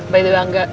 baik doang nga